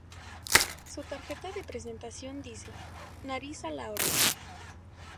Su tarjeta de presentación dice "Nariz a la orden".